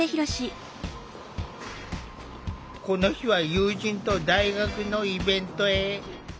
この日は友人と大学のイベントへ。